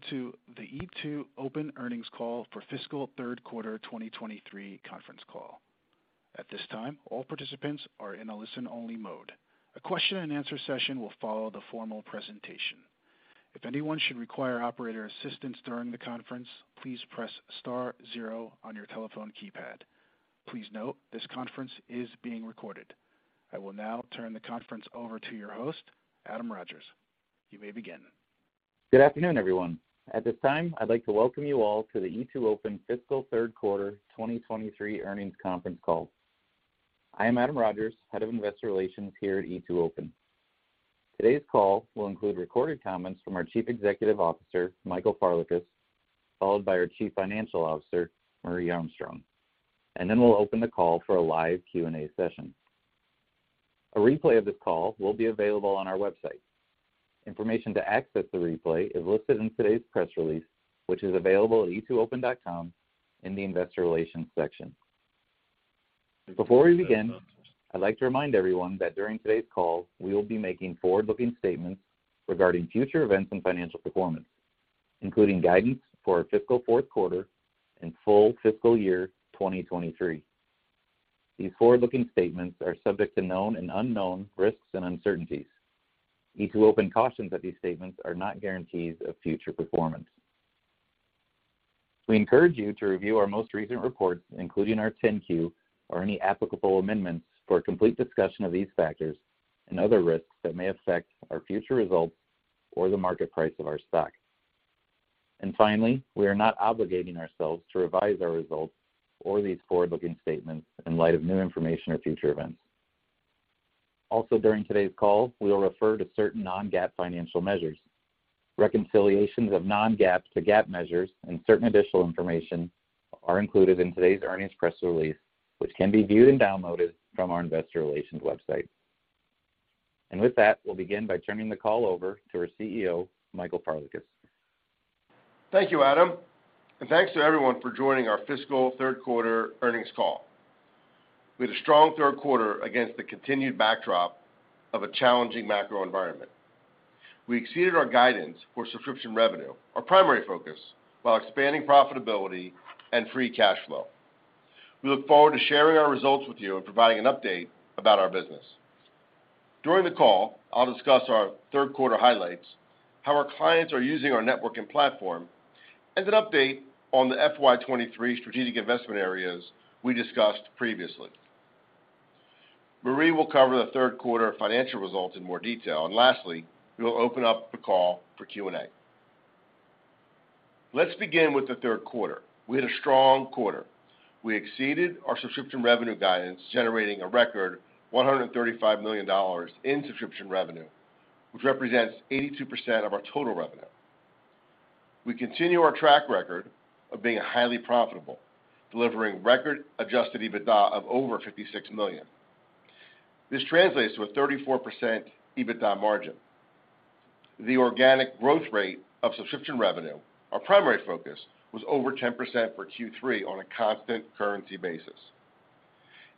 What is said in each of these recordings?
Welcome to the E2open earnings call for fiscal 3rd quarter 2023 conference call. At this time, all participants are in a listen-only mode. A question-and-answer session will follow the formal presentation. If anyone should require operator assistance during the conference, please press star zero on your telephone keypad. Please note this conference is being recorded. I will now turn the conference over to your host, Adam Rogers. You may begin. Good afternoon, everyone. At this time, I'd like to welcome you all to the E2open fiscal 3rd quarter 2023 earnings conference call. I am Adam Rogers, Head of Investor Relations here at E2open. Today's call will include recorded comments from our Chief Executive Officer, Michael Farlekas, followed by our Chief Financial Officer, Marje Armstrong. Then we'll open the call for a live Q&A session. A replay of this call will be available on our website. Information to access the replay is listed in today's press release, which is available at E2open.com in the Investor Relations section. Before we begin, I'd like to remind everyone that during today's call, we will be making forward-looking statements regarding future events and financial performance, including guidance for our fiscal 4th quarter and full fiscal year 2023. These forward-looking statements are subject to known and unknown risks and uncertainties. E2open cautions that these statements are not guarantees of future performance. We encourage you to review our most recent reports, including our 10-Q or any applicable amendments, for a complete discussion of these factors and other risks that may affect our future results or the market price of our stock. Finally, we are not obligating ourselves to revise our results or these forward-looking statements in light of new information or future events. Also, during today's call, we will refer to certain non-GAAP financial measures. Reconciliations of non-GAAP to GAAP measures and certain additional information are included in today's earnings press release, which can be viewed and downloaded from our investor relations website. With that, we'll begin by turning the call over to our CEO, Michael Farlekas. Thank you, Adam. Thanks to everyone for joining our fiscal third quarter earnings call. We had a strong third quarter against the continued backdrop of a challenging macro environment. We exceeded our guidance for subscription revenue, our primary focus, while expanding profitability and free cash flow. We look forward to sharing our results with you and providing an update about our business. During the call, I'll discuss our third quarter highlights, how our clients are using our network and platform, and an update on the FY 23 strategic investment areas we discussed previously. Marje will cover the third quarter financial results in more detail. Lastly, we will open up the call for Q&A. Let's begin with the third quarter. We had a strong quarter. We exceeded our subscription revenue guidance, generating a record $135 million in subscription revenue, which represents 82% of our total revenue. We continue our track record of being highly profitable, delivering record adjusted EBITDA of over $56 million. This translates to a 34% EBITDA margin. The organic growth rate of subscription revenue, our primary focus, was over 10% for Q3 on a constant currency basis.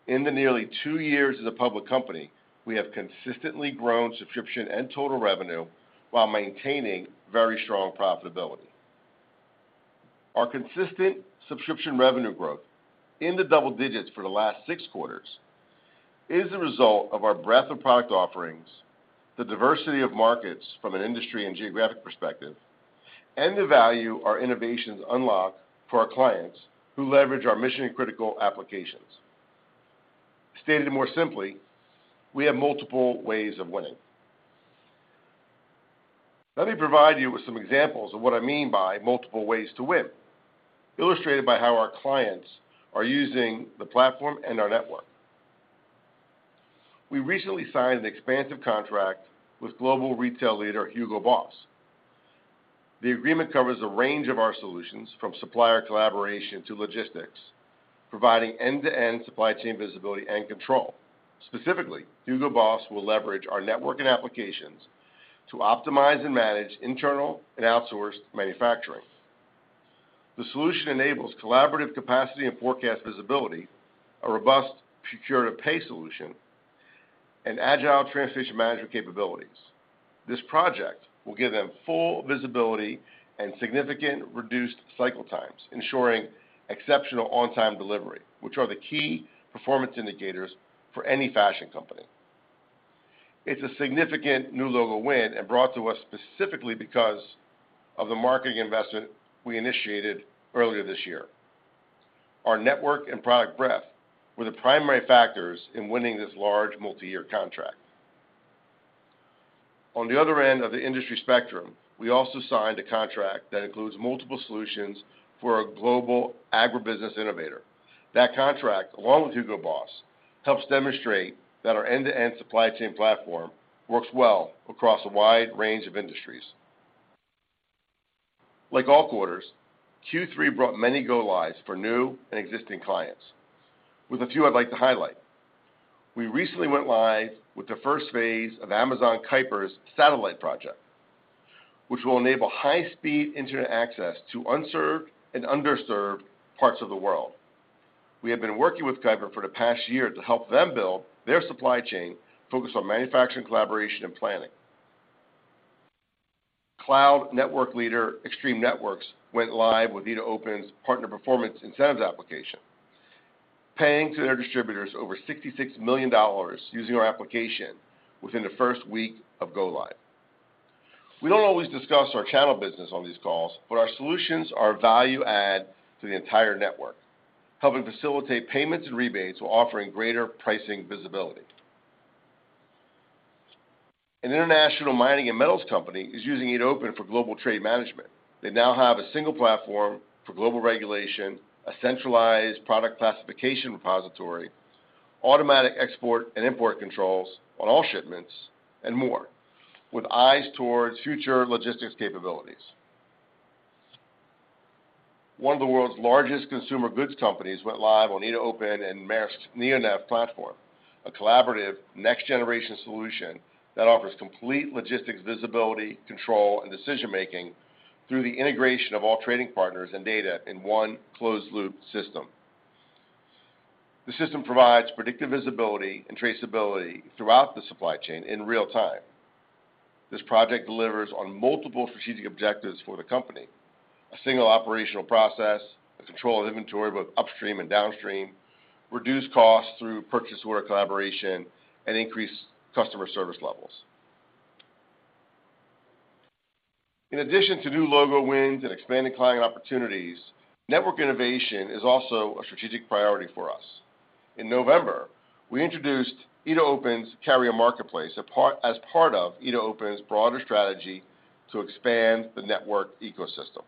In the nearly two years as a public company, we have consistently grown subscription and total revenue while maintaining very strong profitability. Our consistent subscription revenue growth in the double digits for the last six quarters is the result of our breadth of product offerings, the diversity of markets from an industry and geographic perspective, and the value our innovations unlock for our clients who leverage our mission-critical applications. Stated more simply, we have multiple ways of winning. Let me provide you with some examples of what I mean by multiple ways to win, illustrated by how our clients are using the platform and our network. We recently signed an expansive contract with global retail leader Hugo Boss. The agreement covers a range of our solutions, from supplier collaboration to logistics, providing end-to-end supply chain visibility and control. Specifically, Hugo Boss will leverage our network and applications to optimize and manage internal and outsourced manufacturing. The solution enables collaborative capacity and forecast visibility, a robust procure-to-pay solution, and agile transition management capabilities. This project will give them full visibility and significant reduced cycle times, ensuring exceptional on-time delivery, which are the key performance indicators for any fashion company. It's a significant new logo win and brought to us specifically because of the marketing investment we initiated earlier this year. Our network and product breadth were the primary factors in winning this large multi-year contract. On the other end of the industry spectrum, we also signed a contract that includes multiple solutions for a global agribusiness innovator. That contract, along with Hugo Boss, helps demonstrate that our end-to-end supply chain platform works well across a wide range of industries. Like all quarters, Q3 brought many go lives for new and existing clients, with a few I'd like to highlight. We recently went live with the phase I of Amazon Kuiper's satellite project, which will enable high-speed internet access to unserved and underserved parts of the world. We have been working with Kuiper for the past year to help them build their supply chain focused on manufacturing, collaboration, and planning. Cloud network leader, Extreme Networks, went live with E2open's Partner Performance Incentives application, paying to their distributors over $66 million using our application within the first week of go live. Our solutions are value add to the entire network, helping facilitate payments and rebates while offering greater pricing visibility. An international mining and metals company is using E2open for Global Trade Management. They now have a single platform for global regulation, a centralized product classification repository, automatic export and import controls on all shipments, and more, with eyes towards future logistics capabilities. One of the world's largest consumer goods companies went live on E2open and Maersk NeoNav platform, a collaborative next generation solution that offers complete logistics, visibility, control, and decision-making through the integration of all trading partners and data in one closed loop system. The system provides predictive visibility and traceability throughout the supply chain in real time. This project delivers on multiple strategic objectives for the company, a single operational process, a control of inventory, both upstream and downstream, reduced costs through purchase order collaboration, and increased customer service levels. In addition to new logo wins and expanding client opportunities, network innovation is also a strategic priority for us. In November, we introduced E2open's Carrier Marketplace as part of E2open's broader strategy to expand the network ecosystem.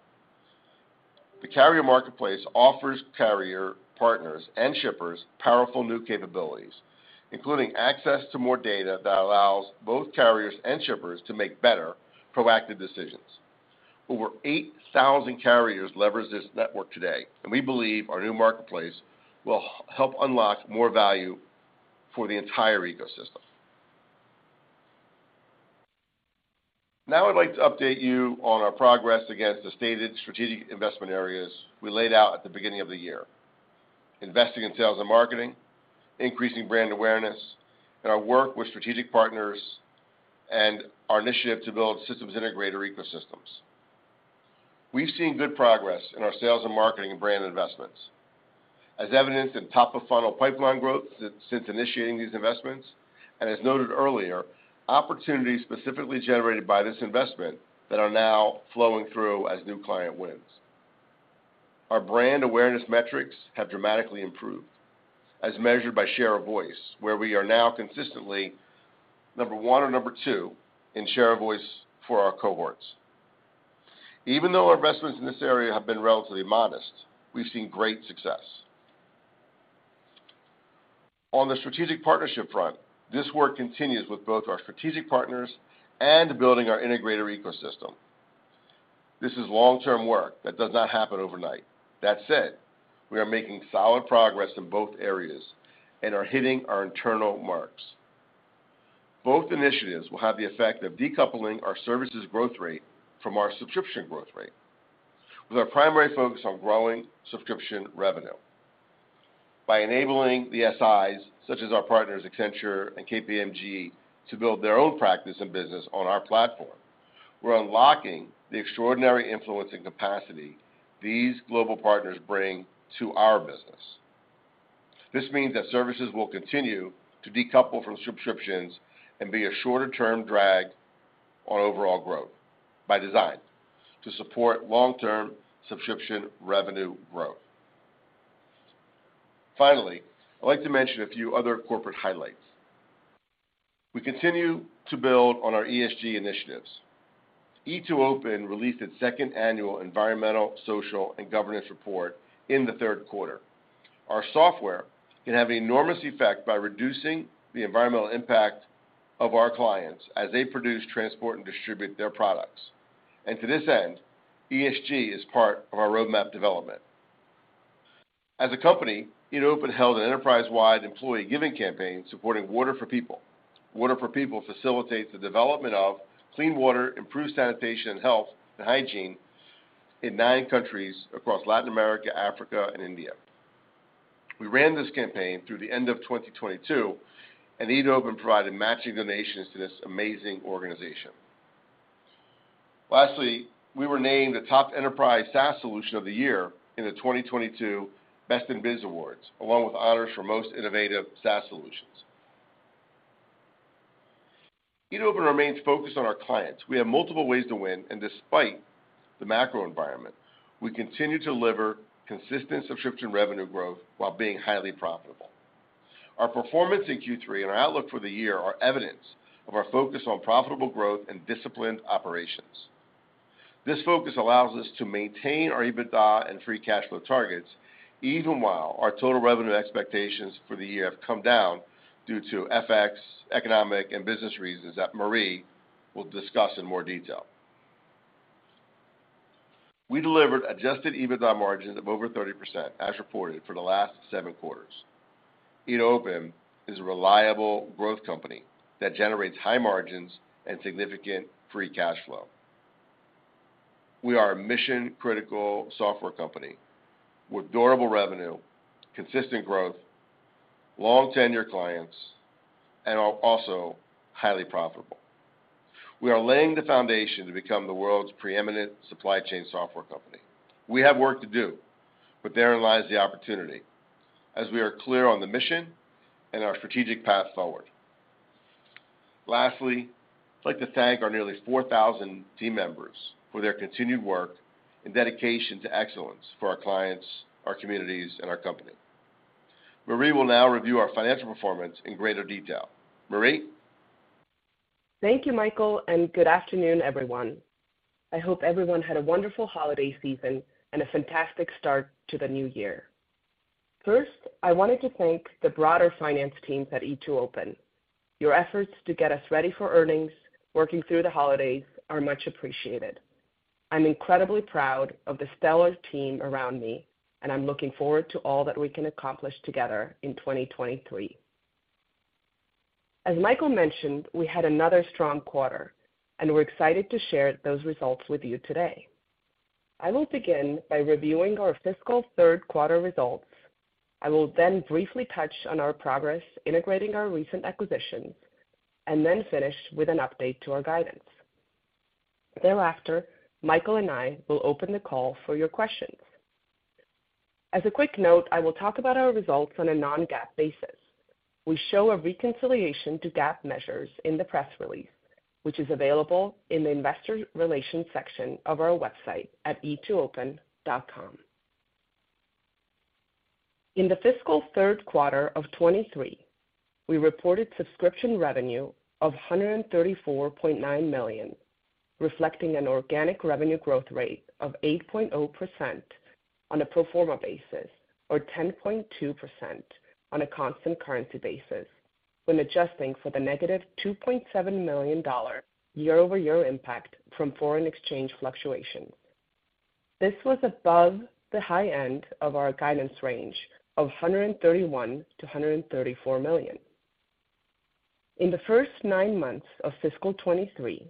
The Carrier Marketplace offers carrier partners and shippers powerful new capabilities, including access to more data that allows both carriers and shippers to make better proactive decisions. Over 8,000 carriers leverage this network today, and we believe our new marketplace will help unlock more value for the entire ecosystem. I'd like to update you on our progress against the stated strategic investment areas we laid out at the beginning of the year. Investing in sales and marketing, increasing brand awareness, and our work with strategic partners, and our initiative to build systems integrator ecosystems. We've seen good progress in our sales and marketing brand investments. As evidenced in top of funnel pipeline growth since initiating these investments, and as noted earlier, opportunities specifically generated by this investment that are now flowing through as new client wins. Our brand awareness metrics have dramatically improved as measured by share of voice, where we are now consistently number one or number two in share of voice for our cohorts. Even though our investments in this area have been relatively modest, we've seen great success. On the strategic partnership front, this work continues with both our strategic partners and building our integrator ecosystem. This is long-term work that does not happen overnight. That said, we are making solid progress in both areas and are hitting our internal marks. Both initiatives will have the effect of decoupling our services growth rate from our subscription growth rate, with our primary focus on growing subscription revenue. By enabling the SIs, such as our partners Accenture and KPMG, to build their own practice and business on our platform, we're unlocking the extraordinary influence and capacity these global partners bring to our business. This means that services will continue to decouple from subscriptions and be a shorter-term drag on overall growth by design to support long-term subscription revenue growth. Finally, I'd like to mention a few other corporate highlights. We continue to build on our ESG initiatives. E2open released its second annual environmental, social, and governance report in the third quarter. Our software can have an enormous effect by reducing the environmental impact of our clients as they produce, transport, and distribute their products. To this end, ESG is part of our roadmap development. As a company, E2open held an enterprise-wide employee giving campaign supporting Water For People. Water For People facilitates the development of clean water, improves sanitation and health and hygiene in nine countries across Latin America, Africa, and India. We ran this campaign through the end of 2022, and E2open provided matching donations to this amazing organization. Lastly, we were named the top enterprise SaaS solution of the year in the 2022 Best in Biz Awards, along with honors for most innovative SaaS solutions. E2open remains focused on our clients. We have multiple ways to win. Despite the macro environment, we continue to deliver consistent subscription revenue growth while being highly profitable. Our performance in Q3 and our outlook for the year are evidence of our focus on profitable growth and disciplined operations. This focus allows us to maintain our EBITDA and free cash flow targets, even while our total revenue expectations for the year have come down due to FX, economic, and business reasons that Marje will discuss in more detail. We delivered adjusted EBITDA margins of over 30% as reported for the last 7 quarters. E2open is a reliable growth company that generates high margins and significant free cash flow. We are a mission-critical software company with durable revenue, consistent growth, long tenure clients, and also highly profitable. We are laying the foundation to become the world's preeminent supply chain software company. We have work to do, but therein lies the opportunity, as we are clear on the mission and our strategic path forward. Lastly, I'd like to thank our nearly 4,000 team members for their continued work and dedication to excellence for our clients, our communities, and our company. Marje will now review our financial performance in greater detail. Marje. Thank you, Michael. Good afternoon, everyone. I hope everyone had a wonderful holiday season and a fantastic start to the new year. First, I wanted to thank the broader finance team at E2open. Your efforts to get us ready for earnings, working through the holidays are much appreciated. I'm incredibly proud of the stellar team around me. I'm looking forward to all that we can accomplish together in 2023. As Michael mentioned, we had another strong quarter. We're excited to share those results with you today. I will begin by reviewing our fiscal third quarter results. I will briefly touch on our progress integrating our recent acquisitions. I will finish with an update to our guidance. Thereafter, Michael and I will open the call for your questions. As a quick note, I will talk about our results on a non-GAAP basis. We show a reconciliation to GAAP measures in the press release, which is available in the investor relations section of our website at E2open.com. In the fiscal third quarter of 2023, we reported subscription revenue of $134.9 million, reflecting an organic revenue growth rate of 8.0% on a pro forma basis or 10.2% on a constant currency basis when adjusting for the -$2.7 million year-over-year impact from foreign exchange fluctuations. This was above the high end of our guidance range of $131 million-$134 million. In the first nine months of fiscal 2023,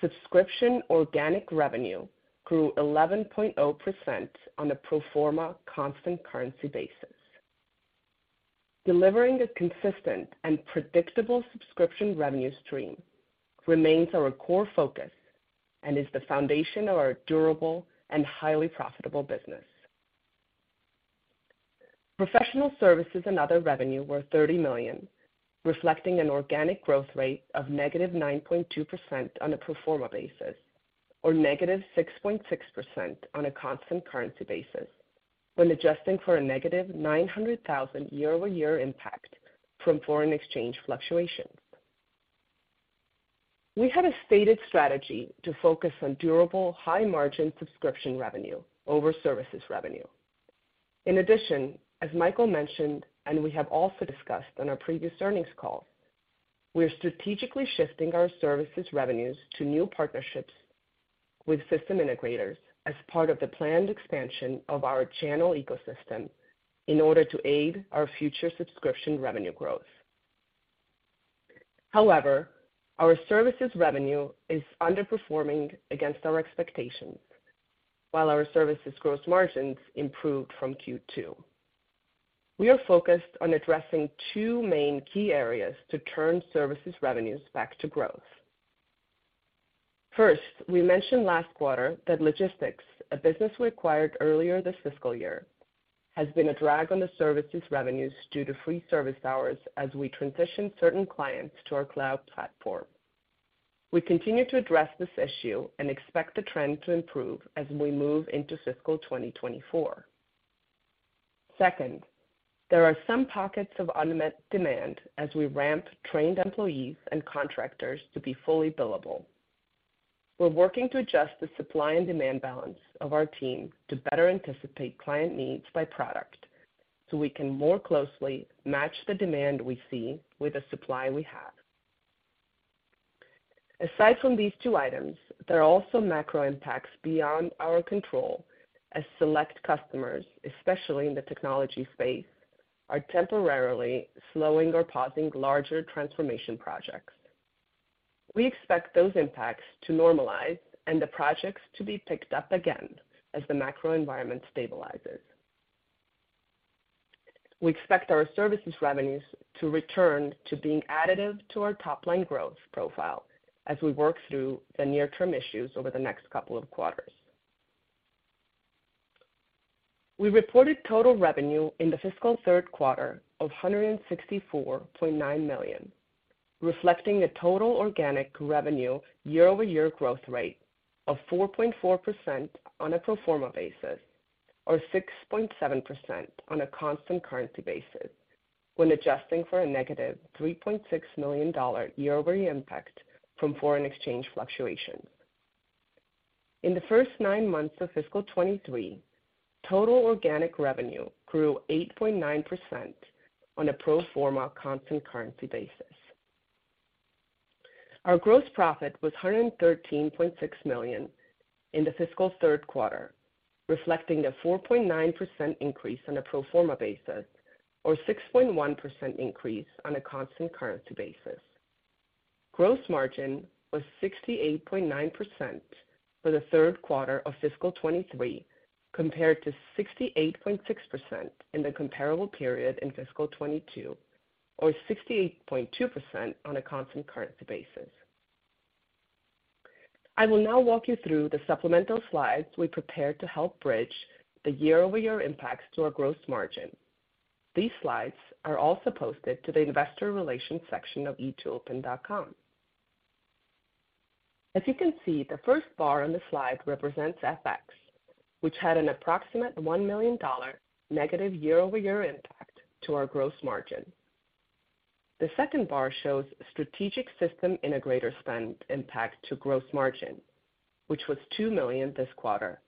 subscription organic revenue grew 11.0% on a pro forma constant currency basis. Delivering a consistent and predictable subscription revenue stream remains our core focus and is the foundation of our durable and highly profitable business. Professional services and other revenue were $30 million, reflecting an organic growth rate of -9.2% on a pro forma basis, or -6.6% on a constant currency basis when adjusting for a negative $900,000 year-over-year impact from foreign exchange fluctuations. We have a stated strategy to focus on durable, high-margin subscription revenue over services revenue. In addition, as Michael mentioned, and we have also discussed on our previous earnings call, we are strategically shifting our services revenues to new partnerships with system integrators as part of the planned expansion of our channel ecosystem in order to aid our future subscription revenue growth. Our services revenue is underperforming against our expectations while our services gross margins improved from Q2. We are focused on addressing two main key areas to turn services revenues back to growth. First, we mentioned last quarter that logistics, a business we acquired earlier this fiscal year, has been a drag on the services revenues due to free service hours as we transition certain clients to our cloud platform. We continue to address this issue and expect the trend to improve as we move into fiscal 2024. Second, there are some pockets of unmet-demand as we ramp trained employees and contractors to be fully billable. We're working to adjust the supply and demand balance of our team to better anticipate client needs by product, so we can more closely match the demand we see with the supply we have. Aside from these two items, there are also macro impacts beyond our control as select customers, especially in the technology space, are temporarily slowing or pausing larger transformation projects. We expect those impacts to normalize and the projects to be picked up again as the macro environment stabilizes. We expect our services revenues to return to being additive to our top-line growth profile as we work through the near-term issues over the next couple of quarters. We reported total revenue in the fiscal third quarter of $164.9 million, reflecting a total organic revenue year-over-year growth rate of 4.4% on a pro forma basis or 6.7% on a constant currency basis when adjusting for a negative $3.6 million year-over-year impact from foreign exchange fluctuations. In the first nine months of fiscal 2023, total organic revenue grew 8.9% on a pro forma constant currency basis. Our gross profit was $113.6 million in the fiscal third quarter, reflecting a 4.9% increase on a pro forma basis or 6.1% increase on a constant currency basis. Gross margin was 68.9% for the third quarter of fiscal 2023, compared to 68.6% in the comparable period in fiscal 2022, or 68.2% on a constant currency basis. I will now walk you through the supplemental slides we prepared to help bridge the year-over-year impacts to our gross margin. These slides are also posted to the investor relations section of e2open.com. As you can see, the first bar on the slide represents FX, which had an approximate $1 million negative year-over-year impact to our gross margin. The second bar shows strategic system integrator spend impact to gross margin, which was $2 million this quarter,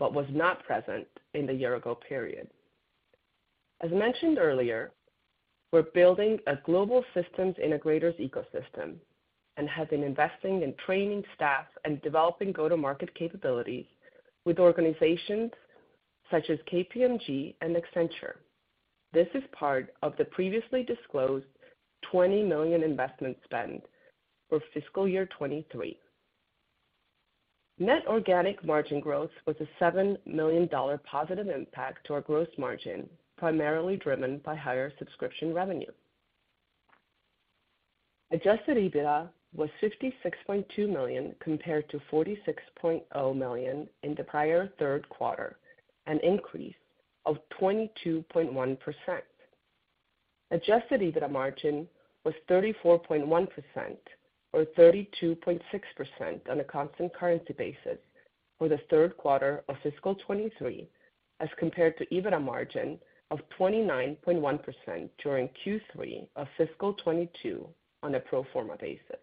but was not present in the year ago period. As mentioned earlier, we're building a global systems integrators ecosystem and have been investing in training staff and developing go-to-market capabilities with organizations such as KPMG and Accenture. This is part of the previously disclosed $20 million investment spend for fiscal year 2023. Net organic margin growth was a $7 million positive impact to our gross margin, primarily driven by higher subscription revenue. Adjusted EBITDA was $56.2 million compared to $46.0 million in the prior third quarter, an increase of 22.1%. Adjusted EBITDA margin was 34.1% or 32.6% on a constant currency basis for the third quarter of fiscal 2023, as compared to EBITDA margin of 29.1% during Q3 of fiscal 2022 on a pro forma basis.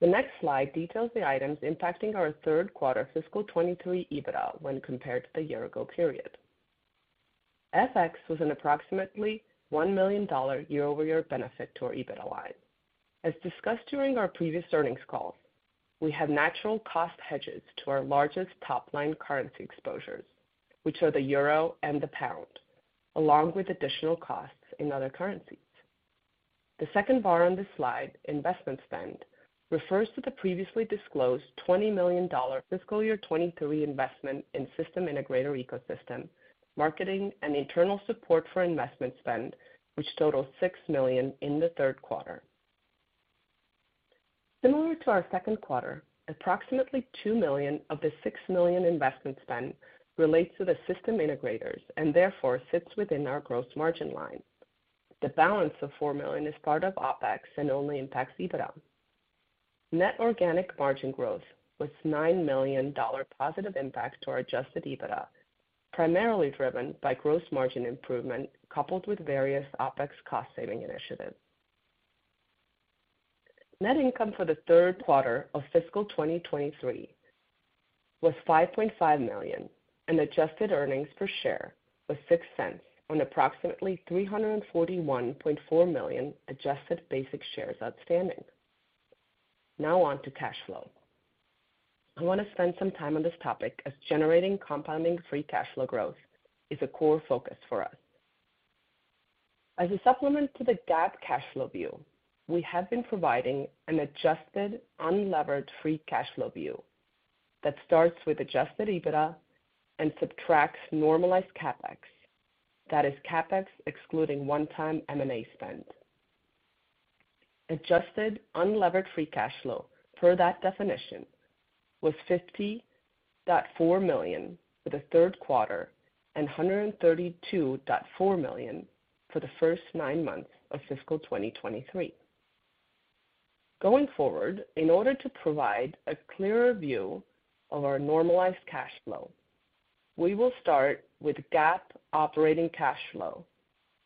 The next slide details the items impacting our third quarter fiscal 2023 EBITDA when compared to the year-ago period. FX was an approximately $1 million year-over-year benefit to our EBITDA line. As discussed during our previous earnings call, we have natural cost hedges to our largest top-line currency exposures, which are the euro and the pound, along with additional costs in other currencies. The second bar on this slide, investment spend, refers to the previously disclosed $20 million fiscal year 2023 investment in system integrator ecosystem, marketing and internal support for investment spend, which totals $6 million in the third quarter. Similar to our second quarter, approximately $2 million of the $6 million investment spend relates to the system integrators and therefore sits within our gross margin line. The balance of $4 million is part of OpEx and only impacts EBITDA. Net organic margin growth was $9 million positive impact to our adjusted EBITDA, primarily driven by gross margin improvement coupled with various OpEx cost-saving initiatives. Net income for the third quarter of fiscal 2023 was $5.5 million, and adjusted earnings per share was $0.06 on approximately 341.4 million adjusted basic shares outstanding. On to cash flow. I want to spend some time on this topic as generating compounding free cash flow growth is a core focus for us. As a supplement to the GAAP cash flow view, we have been providing an adjusted unlevered free cash flow view that starts with adjusted EBITDA and subtracts normalized CapEx. That is CapEx excluding one-time M&A spend. Adjusted unlevered free cash flow per that definition was $50.4 million for the third quarter and $132.4 million for the first nine months of fiscal 2023. Going forward, in order to provide a clearer view of our normalized cash flow, we will start with GAAP operating cash flow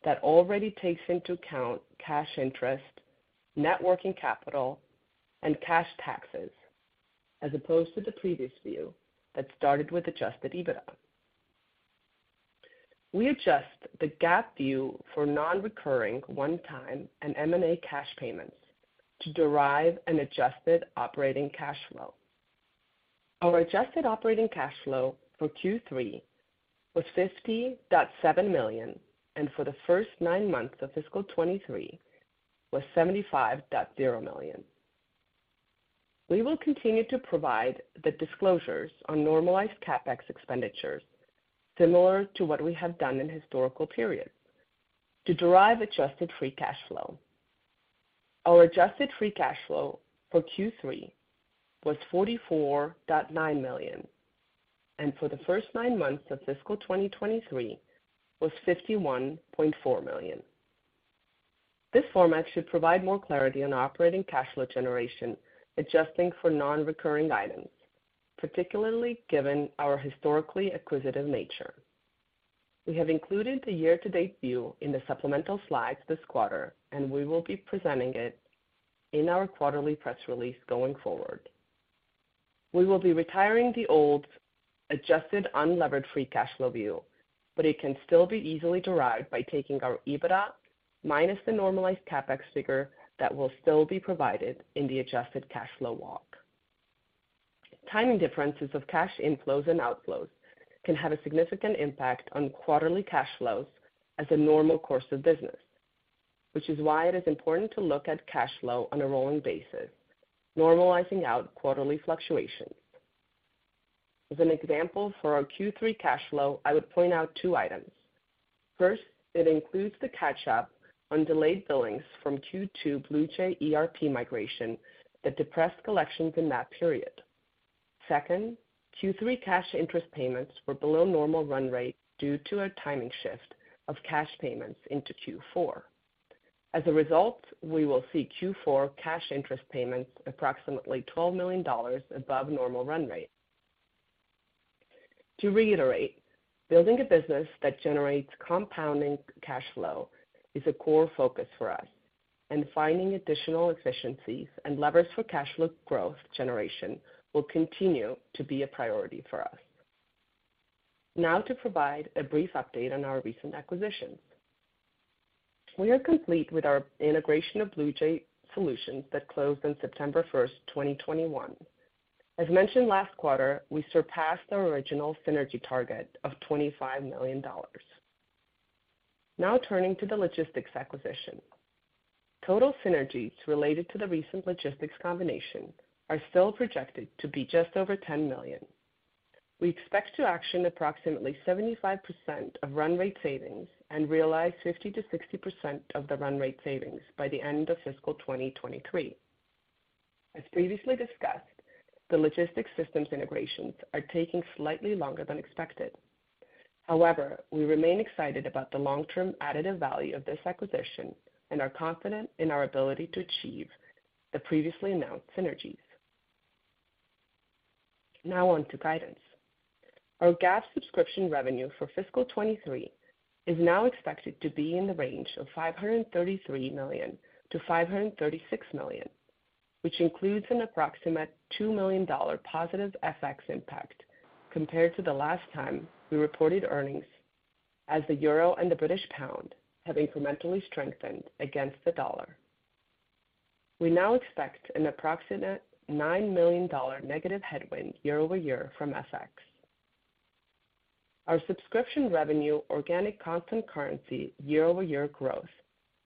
that already takes into account cash interest, net working capital, and cash taxes, as opposed to the previous view that started with adjusted EBITDA. We adjust the GAAP view for non-recurring one-time and M&A cash payments to derive an adjusted operating cash flow. Our adjusted operating cash flow for Q3 was $50.7 million, and for the first nine months of fiscal 2023 was $75.0 million. We will continue to provide the disclosures on normalized CapEx expenditures similar to what we have done in historical periods to derive adjusted free cash flow. Our adjusted free cash flow for Q3 was $44.9 million, and for the first nine months of fiscal 2023 was $51.4 million. This format should provide more clarity on operating cash flow generation, adjusting for non-recurring items, particularly given our historically acquisitive nature. We have included the year-to-date view in the supplemental slides this quarter, and we will be presenting it in our quarterly press release going forward. We will be retiring the old adjusted unlevered free cash flow view, but it can still be easily derived by taking our EBITDA minus the normalized CapEx figure that will still be provided in the adjusted cash flow walk. Timing differences of cash inflows and outflows can have a significant impact on quarterly cash flows as a normal course of business, which is why it is important to look at cash flow on a rolling basis, normalizing out quarterly fluctuations. As an example, for our Q3 cash flow, I would point out two items. First, it includes the catch up on delayed billings from Q2 BluJay Solutions ERP migration that depressed collections in that period. Second, Q3 cash interest payments were below normal run rate due to a timing shift of cash payments into Q4. As a result, we will see Q4 cash interest payments approximately $12 million above normal run rate. To reiterate, building a business that generates compounding cash flow is a core focus for us, and finding additional efficiencies and levers for cash flow growth generation will continue to be a priority for us. Now to provide a brief update on our recent acquisitions. We are complete with our integration of BluJay Solutions that closed on September 1, 2021. As mentioned last quarter, we surpassed our original synergy target of $25 million. Now turning to the logistics acquisition. Total synergies related to the recent logistics combination are still projected to be just over $10 million. We expect to action approximately 75% of run rate savings and realize 50%-60% of the run rate savings by the end of fiscal 2023. As previously discussed, the logistics systems integrations are taking slightly longer than expected. We remain excited about the long-term additive value of this acquisition and are confident in our ability to achieve the previously announced synergies. On to guidance. Our GAAP subscription revenue for fiscal 23 is now expected to be in the range of $533 million-$536 million, which includes an approximate $2 million positive FX impact compared to the last time we reported earnings as the euro and the British pound have incrementally strengthened against the dollar. We now expect an approximate $9 million negative headwind year-over-year from FX. Our subscription revenue organic constant currency year-over-year growth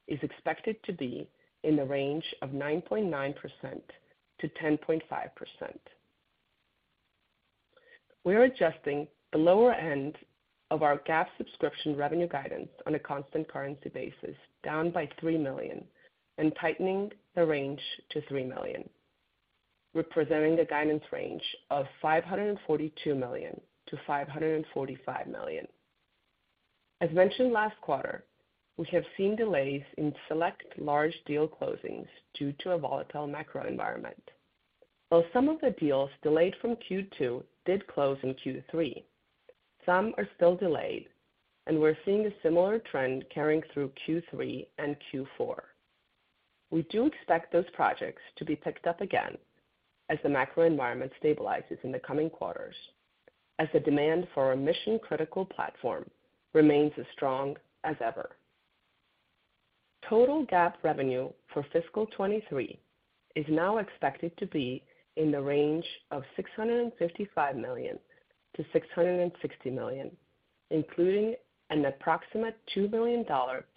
is expected to be in the range of 9.9%-10.5%. We are adjusting the lower end of our GAAP subscription revenue guidance on a constant currency basis down by $3 million and tightening the range to $3 million, representing a guidance range of $542 million-$545 million. As mentioned last quarter, we have seen delays in select large deal closings due to a volatile macro environment. While some of the deals delayed from Q2 did close in Q3, some are still delayed, and we're seeing a similar trend carrying through Q3 and Q4. We do expect those projects to be picked up again as the macro environment stabilizes in the coming quarters, as the demand for our mission-critical platform remains as strong as ever. Total GAAP revenue for fiscal 2023 is now expected to be in the range of $655 million-$660 million, including an approximate $2 million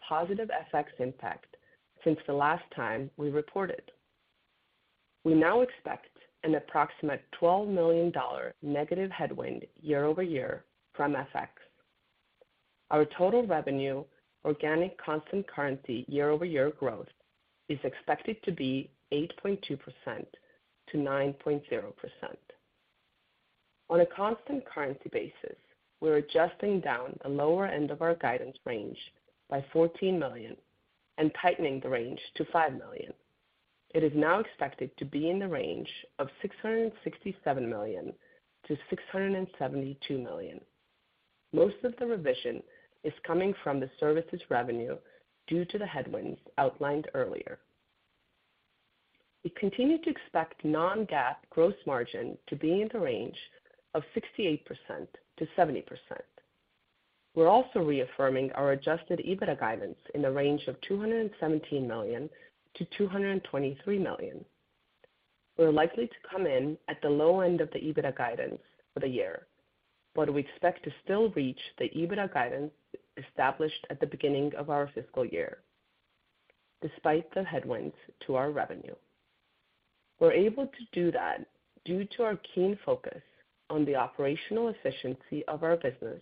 positive FX impact since the last time we reported. We now expect an approximate $12 million negative headwind year-over-year from FX. Our total revenue organic constant currency year-over-year growth is expected to be 8.2%-9.0%. On a constant currency basis, we're adjusting down the lower end of our guidance range by $14 million and tightening the range to $5 million. It is now expected to be in the range of $667 million-$672 million. Most of the revision is coming from the services revenue due to the headwinds outlined earlier. We continue to expect non-GAAP growth margin to be in the range of 68%-70%. We're also reaffirming our adjusted EBITDA guidance in the range of $217 million-$223 million. We're likely to come in at the low end of the EBITDA guidance for the year. We expect to still reach the EBITDA guidance established at the beginning of our fiscal year despite the headwinds to our revenue. We're able to do that due to our keen focus on the operational efficiency of our business,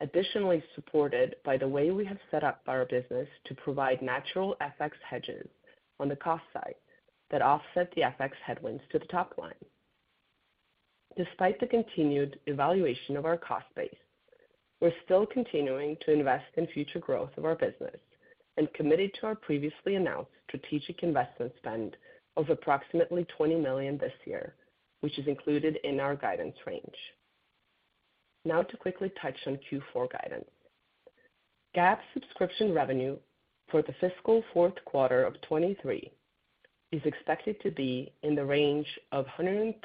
additionally supported by the way we have set up our business to provide natural FX hedges on the cost side that offset the FX headwinds to the top line. Despite the continued evaluation of our cost base, we're still continuing to invest in future growth of our business and committed to our previously announced strategic investment spend of approximately $20 million this year, which is included in our guidance range. Now to quickly touch on Q4 guidance. GAAP subscription revenue for the fiscal fourth quarter of 2023 is expected to be in the range of $137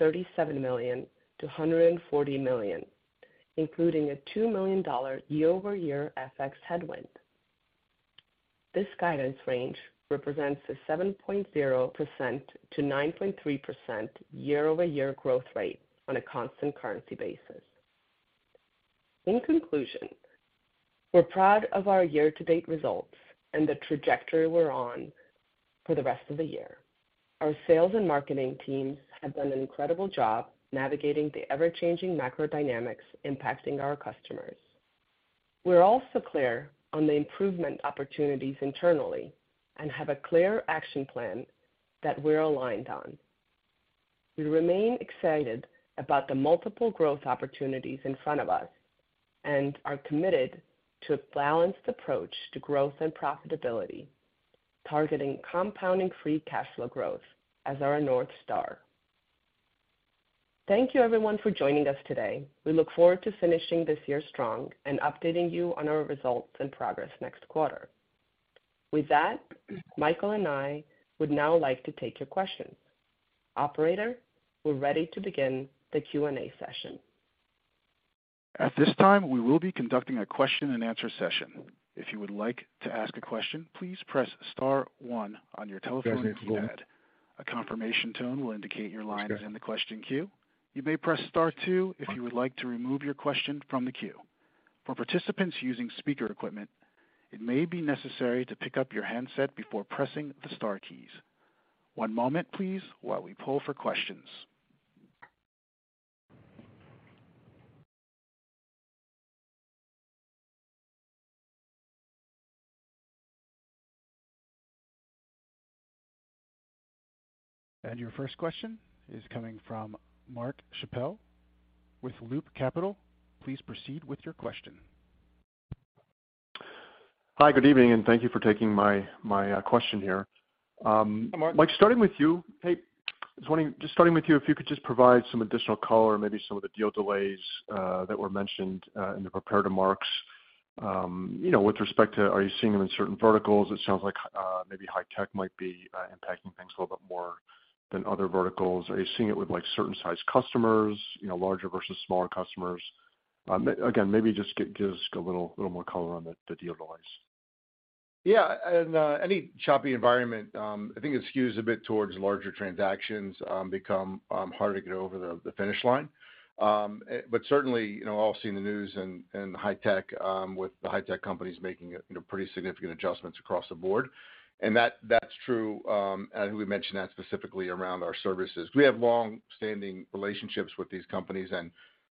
million-$140 million, including a $2 million year-over-year FX headwind. This guidance range represents a 7.0%-9.3% year-over-year growth rate on a constant currency basis. In conclusion, we're proud of our year-to-date results and the trajectory we're on for the rest of the year. Our sales and marketing teams have done an incredible job navigating the ever-changing macro dynamics impacting our customers. We're also clear on the improvement opportunities internally and have a clear action plan that we're aligned on. We remain excited about the multiple growth opportunities in front of us and are committed to a balanced approach to growth and profitability, targeting compounding free cash flow growth as our North Star. Thank you everyone for joining us today. We look forward to finishing this year strong and updating you on our results and progress next quarter. With that, Michael and I would now like to take your questions. Operator, we're ready to begin the Q&A session. At this time, we will be conducting a question-and-answer session. If you would like to ask a question, please press star one on your telephone keypad. A confirmation tone will indicate your line is in the question queue. You may press star two if you would like to remove your question from the queue. For participants using speaker equipment, it may be necessary to pick up your handset before pressing the star keys. One moment please while we poll for questions. Your first question is coming from Mark Schappel with Loop Capital. Please proceed with your question. Hi, good evening, and thank you for taking my question here. Hi, Mark. Mike, starting with you. Hey. I was wondering, just starting with you, if you could just provide some additional color, maybe some of the deal delays that were mentioned in the prepared remarks. You know, with respect to are you seeing them in certain verticals, it sounds like maybe high tech might be impacting things a little bit more than other verticals. Are you seeing it with like certain size customers, you know, larger versus smaller customers? Again, maybe just give us a little more color on the deal delays? Yeah. Any choppy environment, I think it skews a bit towards larger transactions, become harder to get over the finish line. Certainly, you know, all seen the news in high-tech, with the high-tech companies making, you know, pretty significant adjustments across the board. That, that's true, and we mentioned that specifically around our services. We have long-standing relationships with these companies, and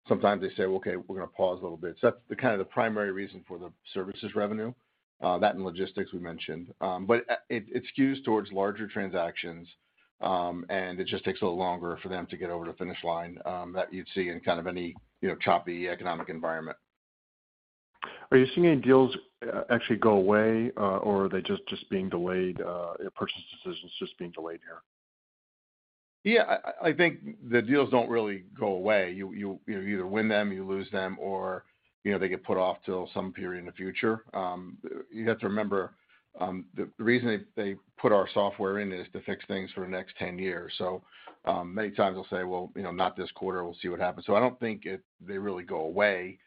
sometimes they say, "Okay, we're gonna pause a little bit." That's kind of the primary reason for the services revenue, that and logistics we mentioned. It, it skews towards larger transactions, and it just takes a little longer for them to get over the finish line, that you'd see in kind of any, you know, choppy economic environment. Are you seeing any deals, actually go away, or are they just being delayed, purchase decisions just being delayed here? I think the deals don't really go away. You either win them, you lose them, or, you know, they get put off till some period in the future. You have to remember, the reason they put our software in is to fix things for the next 10 years. Many times they'll say, "Well, you know, not this quarter, we'll see what happens." I don't think they really go away.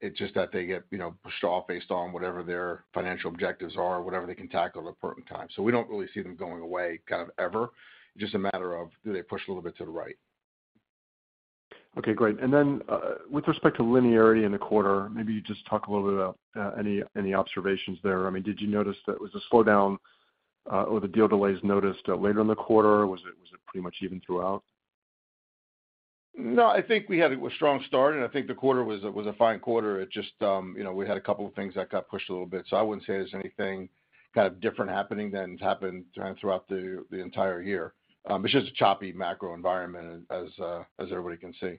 It's just that they get, you know, pushed off based on whatever their financial objectives are or whatever they can tackle at the pertinent time. We don't really see them going away kind of ever. Just a matter of do they push a little bit to the right. Okay, great. Then, with respect to linearity in the quarter, maybe just talk a little bit about any observations there. I mean, did you notice that was a slowdown, or the deal delays noticed later in the quarter? Was it pretty much even throughout? No, I think we had a strong start. I think the quarter was a fine quarter. It just, you know, we had a couple of things that got pushed a little bit. I wouldn't say there's anything kind of different happening than happened throughout the entire year. It's just a choppy macro environment as everybody can see.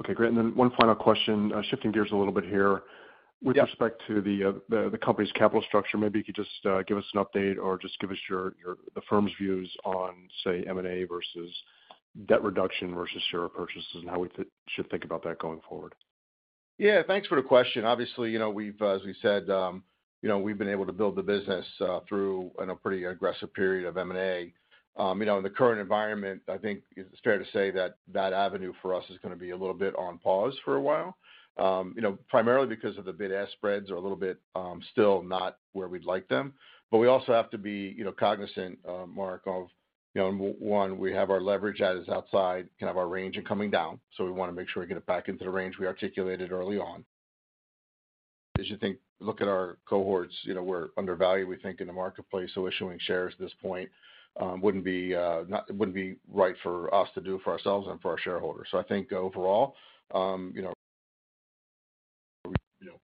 Okay, great. One final question, shifting gears a little bit here. Yeah. With respect to the company's capital structure, maybe you could just give us an update or just give us your, the firm's views on, say, M&A versus debt reduction versus share purchases and how we should think about that going forward? Yeah, thanks for the question. Obviously, you know, we've, as we said, you know, we've been able to build the business through, in a pretty aggressive period of M&A. You know, in the current environment, I think it's fair to say that that avenue for us is gonna be a little bit on pause for a while. You know, primarily because of the bid ask spreads are a little bit still not where we'd like them. We also have to be, you know, cognizant, Mark, of, you know, one, we have our leverage that is outside kind of our range and coming down, so we wanna make sure we get it back into the range we articulated early on. As you look at our cohorts, you know, we're undervalued, we think, in the marketplace, issuing shares at this point, wouldn't be right for us to do for ourselves and for our shareholders. I think overall, you know,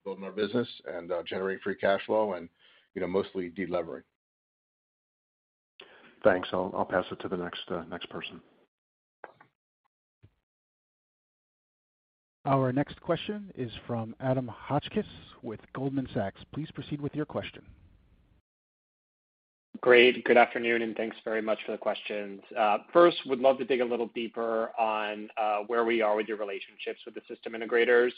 build more business and generate free cash flow and, you know, mostly de-levering. Thanks. I'll pass it to the next person. Our next question is from Adam Hotchkiss with Goldman Sachs. Please proceed with your question. Great. Good afternoon, and thanks very much for the questions. First, would love to dig a little deeper on, where we are with your relationships with the system integrators.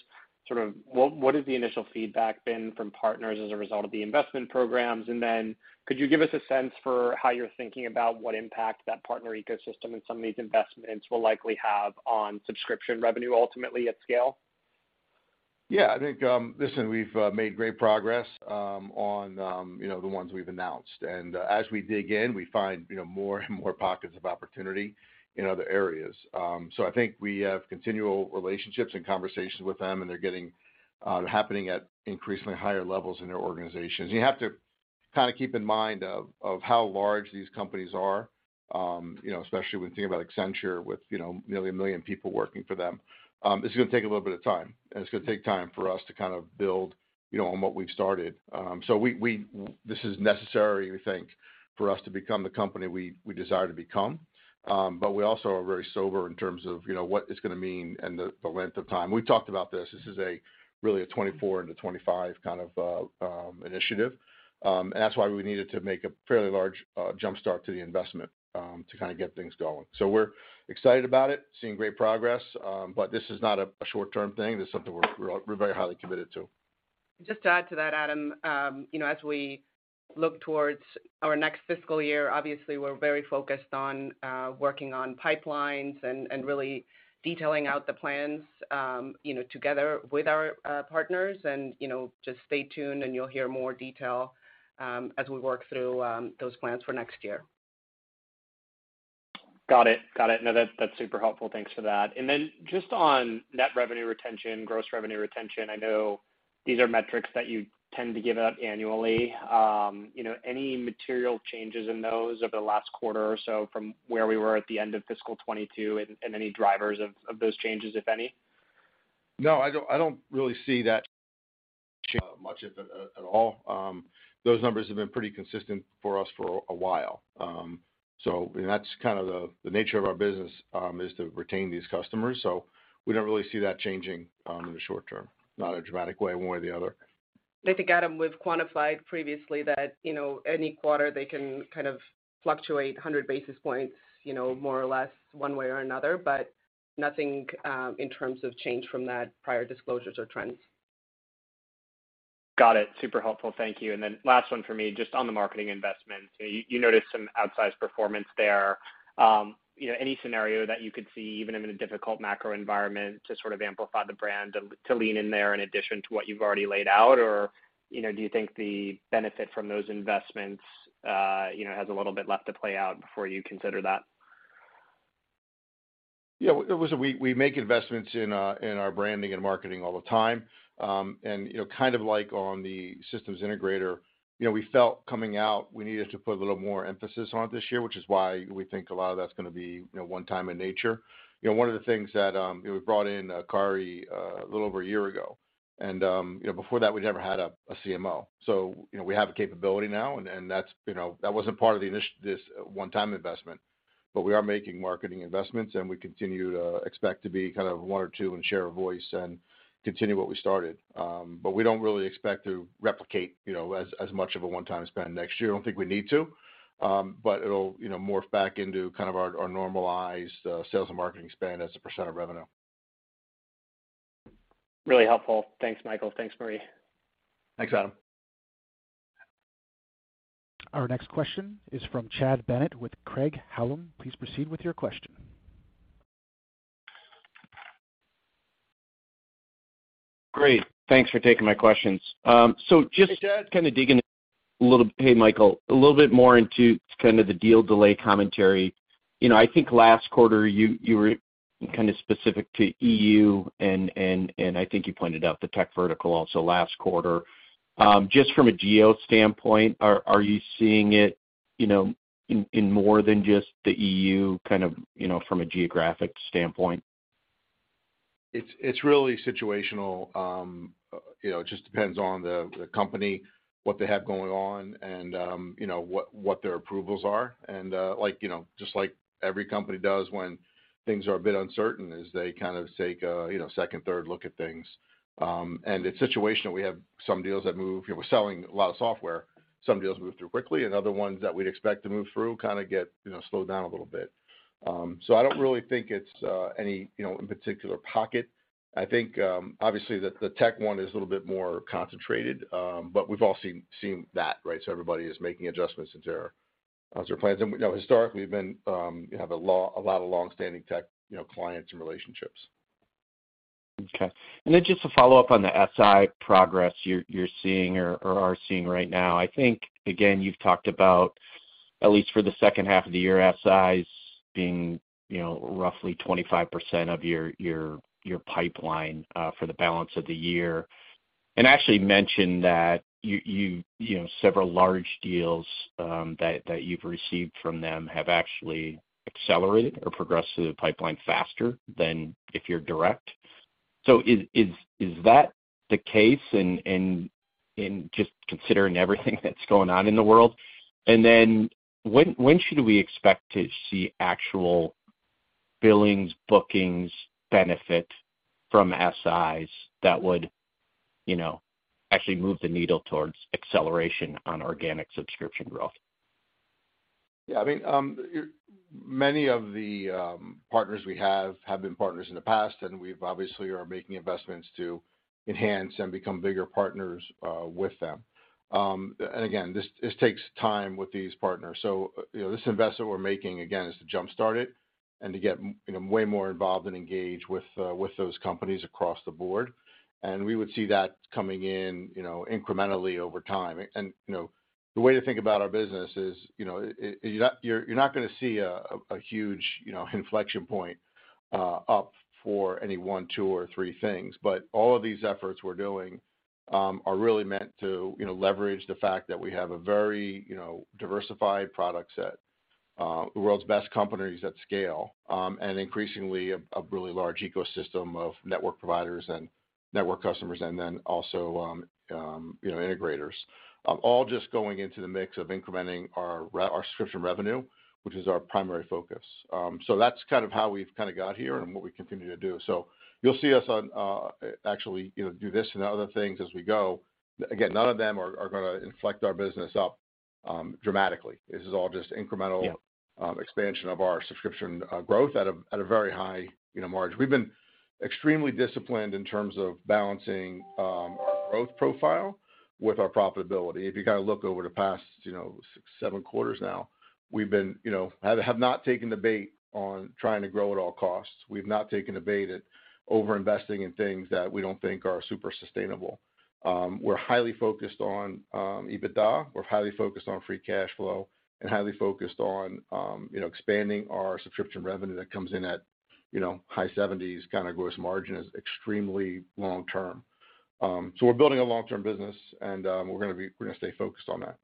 Sort of what has the initial feedback been from partners as a result of the investment programs? Then could you give us a sense for how you're thinking about what impact that partner ecosystem and some of these investments will likely have on subscription revenue ultimately at scale? Yeah, I think, listen, we've made great progress on, you know, the ones we've announced. As we dig in, we find, you know, more and more pockets of opportunity in other areas. I think we have continual relationships and conversations with them, and they're getting happening at increasingly higher levels in their organizations. You have to kinda keep in mind of how large these companies are, you know, especially when thinking about Accenture with, you know, nearly 1 million people working for them. It's gonna take a little bit of time, and it's gonna take time for us to kind of build, you know, on what we've started. We, this is necessary, we think, for us to become the company we desire to become. We also are very sober in terms of, you know, what it's gonna mean and the length of time. We've talked about this. This is a really a 24 into 25 kind of initiative. That's why we needed to make a fairly large jump-start to the investment, to kinda get things going. We're excited about it, seeing great progress, but this is not a short-term thing. This is something we're very highly committed to. Just to add to that, Adam, you know, as we look towards our next fiscal year, obviously, we're very focused on working on pipelines and really detailing out the plans, you know, together with our partners and, you know, just stay tuned and you'll hear more detail as we work through those plans for next year. Got it. No, that's super helpful. Thanks for that. Then just on net revenue retention, gross revenue retention, I know these are metrics that you tend to give out annually. you know, any material changes in those over the last quarter or so from where we were at the end of fiscal 2022 and any drivers of those changes, if any? No, I don't, I don't really see that much at all. Those numbers have been pretty consistent for us for a while. That's kind of the nature of our business is to retain these customers. We don't really see that changing in the short term, not a dramatic way one way or the other. I think, Adam, we've quantified previously that, you know, any quarter they can kind of fluctuate 100 basis points, you know, more or less one way or another, but nothing in terms of change from that prior disclosures or trends. Got it. Super helpful. Thank you. Then last one for me, just on the marketing investment. You noticed some outsized performance there. you know, any scenario that you could see, even in a difficult macro environment, to sort of amplify the brand, to lean in there in addition to what you've already laid out? you know, do you think the benefit from those investments, you know, has a little bit left to play out before you consider that? Yeah. We make investments in our branding and marketing all the time. You know, kind of like on the systems integrator, you know, we felt coming out, we needed to put a little more emphasis on it this year, which is why we think a lot of that's gonna be, you know, one time in nature. You know, one of the things that, you know, we brought in Kari a little over a year ago. You know, before that, we'd never had a CMO. You know, we have a capability now, and that's, you know, that wasn't part of this one-time investment. We are making marketing investments, and we continue to expect to be kind of one or two and share a voice and continue what we started. We don't really expect to replicate, you know, as much of a one-time spend next year. I don't think we need to, it'll, you know, morph back into kind of our normalized sales and marketing spend as a percent of revenue. Really helpful. Thanks, Michael. Thanks, Marje. Thanks, Adam. Our next question is from Chad Bennett with Craig-Hallum. Please proceed with your question. Great. Thanks for taking my questions. So just kinda digging a little bit more into kind of the deal delay commentary. You know, I think last quarter you were kinda specific to EU and I think you pointed out the tech vertical also last quarter. Just from a geo standpoint, are you seeing it, you know, in more than just the EU kind of, you know, from a geographic standpoint? It's, it's really situational. You know, it just depends on the company, what they have going on and, you know, what their approvals are. Like, you know, just like every company does when things are a bit uncertain is they kind of take a, you know, second, third look at things. It's situational. We have some deals that move. You know, we're selling a lot of software. Some deals move through quickly, and other ones that we'd expect to move through kinda get, you know, slowed down a little bit. I don't really think it's any, you know, in particular pocket. I think, obviously that the tech one is a little bit more concentrated, but we've all seen that, right? Everybody is making adjustments into their plans. you know, historically, we've been have a lot of longstanding tech, you know, clients and relationships. Okay. Just a follow-up on the SI progress you're seeing or are seeing right now. I think, again, you've talked about, at least for the second half of the year, SIs being, you know, roughly 25% of your pipeline for the balance of the year. Actually mentioned that you know, several large deals that you've received from them have actually accelerated or progressed through the pipeline faster than if you're direct. Is that the case in just considering everything that's going on in the world? When should we expect to see actual billings, bookings benefit from SIs that would, you know, actually move the needle towards acceleration on organic subscription growth? Yeah. I mean, many of the partners we have been partners in the past, and we've obviously are making investments to enhance and become bigger partners with them. Again, this takes time with these partners. You know, this investment we're making, again, is to jumpstart it. To get you know, way more involved and engaged with those companies across the board. We would see that coming in, you know, incrementally over time. You know, the way to think about our business is, you know, you're not gonna see a huge, you know, inflection point up for any one, two, or three things. All of these efforts we're doing, are really meant to, you know, leverage the fact that we have a very, you know, diversified product set, the world's best companies at scale, and increasingly a really large ecosystem of network providers and network customers, and then also, you know, integrators. All just going into the mix of incrementing our subscription revenue, which is our primary focus. That's kind of how we've kinda got here and what we continue to do. You'll see us on actually, you know, do this and other things as we go. Again, none of them are gonna inflect our business up dramatically. This is all just incremental- Yeah... expansion of our subscription, growth at a very high, you know, margin. We've been extremely disciplined in terms of balancing our growth profile with our profitability. If you kind of look over the past, you know, 6, 7 quarters now, we've been. You know, have not taken the bait on trying to grow at all costs. We've not taken the bait at overinvesting in things that we don't think are super sustainable. We're highly focused on EBITDA. We're highly focused on free cash flow and highly focused on, you know, expanding our subscription revenue that comes in at, you know, high 70s kind of gross margin is extremely long term. So we're building a long-term business, and we're gonna stay focused on that.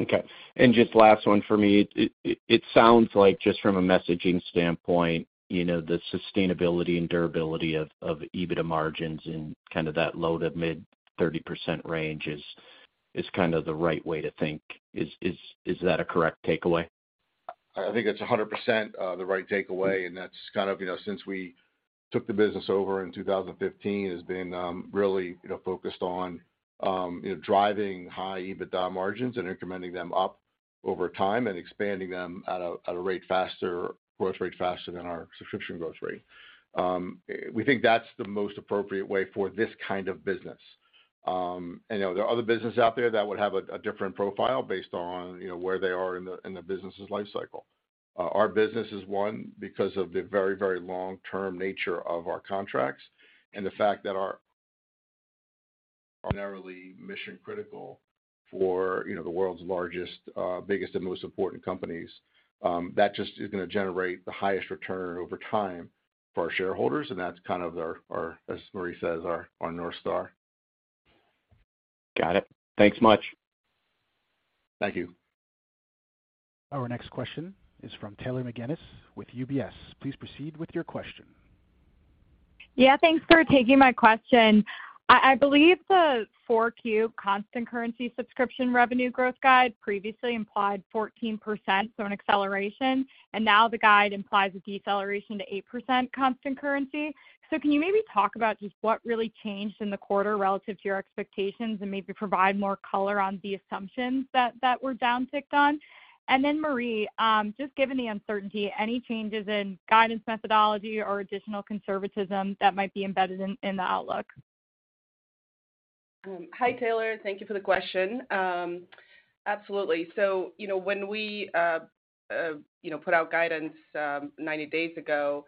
Okay. Just last one for me. It sounds like just from a messaging standpoint, you know, the sustainability and durability of EBITDA margins in kind of that low to mid 30% range is kind of the right way to think. Is that a correct takeaway? I think it's 100% the right takeaway, and that's kind of, you know, since we took the business over in 2015 has been really, you know, focused on, you know, driving high EBITDA margins and incrementing them up over time and expanding them at a rate faster growth rate faster than our subscription growth rate. We think that's the most appropriate way for this kind of business. You know, there are other business out there that would have a different profile based on, you know, where they are in the business's life cycle. Our business is one because of the very, very long-term nature of our contracts and the fact that our narrowly mission-critical for, you know, the world's largest, biggest and most important companies. That just is gonna generate the highest return over time for our shareholders, and that's kind of our, as Marje says, our North Star. Got it. Thanks much. Thank you. Our next question is from Taylor McGinnis with UBS. Please proceed with your question. Yeah, thanks for taking my question. I believe the 4-Q constant currency subscription revenue growth guide previously implied 14%, so an acceleration, and now the guide implies a deceleration to 8% constant currency. Can you maybe talk about just what really changed in the quarter relative to your expectations and maybe provide more color on the assumptions that were downticked on? Then Marje, just given the uncertainty, any changes in guidance methodology or additional conservatism that might be embedded in the outlook? Hi, Taylor. Thank you for the question. Absolutely. You know, when we, you know, put out guidance, 90 days ago,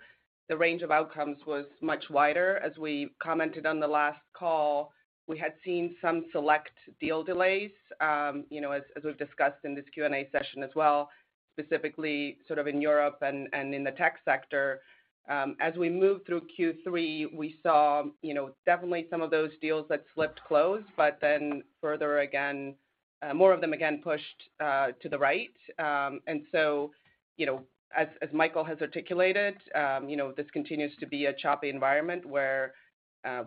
the range of outcomes was much wider. As we commented on the last call, we had seen some select deal delays, you know, as we've discussed in this Q&A session as well, specifically sort of in Europe and in the tech sector. As we moved through Q3, we saw, you know, definitely some of those deals that slipped close, but then further again, more of them again pushed to the right. You know, as Michael has articulated, you know, this continues to be a choppy environment where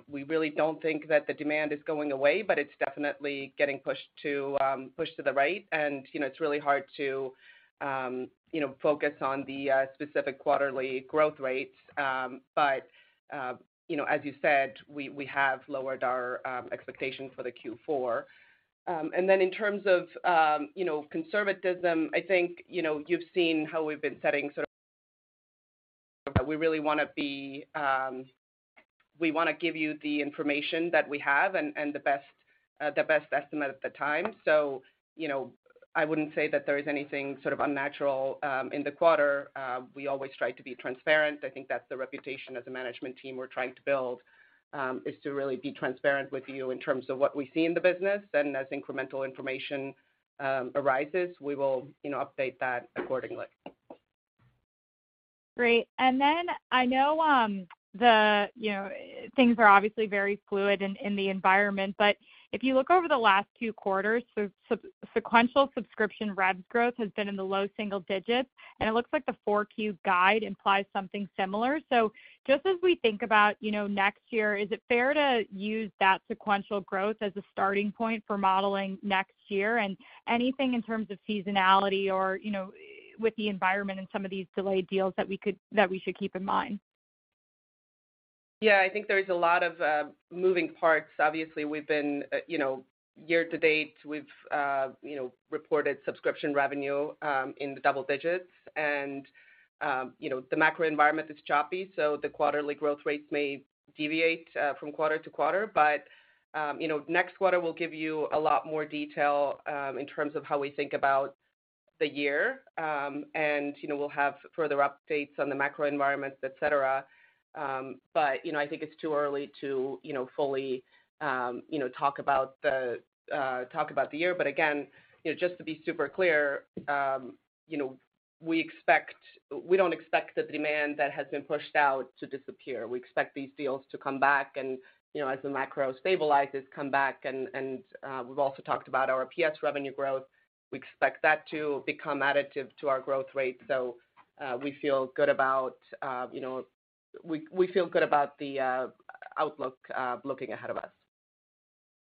we really don't think that the demand is going away, but it's definitely getting pushed to the right. You know, it's really hard to, you know, focus on the specific quarterly growth rates. You know, as you said, we have lowered our expectation for the Q4. In terms of, you know, conservatism, I think, you know, you've seen how we've been setting we really wanna be, we wanna give you the information that we have and the best, the best estimate at the time. You know, I wouldn't say that there is anything sort of unnatural in the quarter. We always try to be transparent. I think that's the reputation as a management team we're trying to build, is to really be transparent with you in terms of what we see in the business. As incremental information arises, we will, you know, update that accordingly. Great. I know, the, you know, things are obviously very fluid in the environment, but if you look over the last two quarters, so sub-sequential subscription revs growth has been in the low single digits, and it looks like the 4Q guide implies something similar. Just as we think about, you know, next year, is it fair to use that sequential growth as a starting point for modeling next year? Anything in terms of seasonality or, you know, with the environment and some of these delayed deals that we should keep in mind? Yeah. I think there is a lot of moving parts. Obviously, we've been, you know, year to date, we've, you know, reported subscription revenue in the double digits. You know, the macro environment is choppy, so the quarterly growth rates may deviate from quarter to quarter. You know, next quarter will give you a lot more detail in terms of how we think about the year. You know, we'll have further updates on the macro environment, et cetera. You know, I think it's too early to, you know, fully, you know, talk about the talk about the year. Again, you know, just to be super clear, you know, we don't expect the demand that has been pushed out to disappear. We expect these deals to come back and, you know, as the macro stabilizes, come back. We've also talked about our PS revenue growth. We expect that to become additive to our growth rate. We feel good about, you know, we feel good about the outlook, looking ahead of us.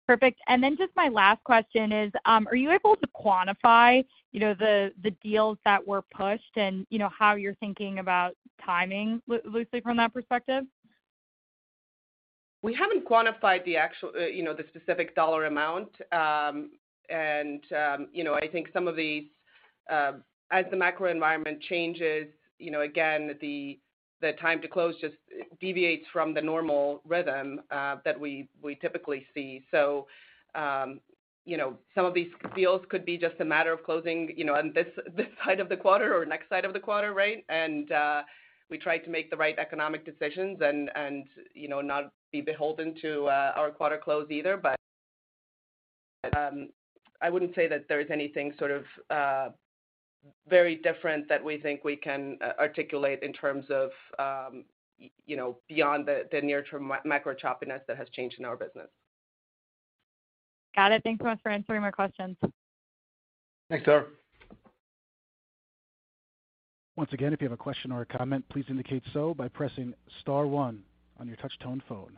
Perfect. Just my last question is, are you able to quantify, you know, the deals that were pushed and, you know, how you're thinking about timing loosely from that perspective? We haven't quantified the actual, you know, the specific dollar amount. You know, I think some of these, as the macro environment changes, you know, again, the time to close just deviates from the normal rhythm that we typically see. You know, some of these deals could be just a matter of closing, you know, on this side of the quarter or next side of the quarter, right? We try to make the right economic decisions and, you know, not be beholden to our quarter close either. I wouldn't say that there's anything sort of very different that we think we can articulate in terms of, you know, beyond the near term macro choppiness that has changed in our business. Got it. Thanks so much for answering my questions. Thanks, Taylor. Once again, if you have a question or a comment, please indicate so by pressing star one on your touch tone phone.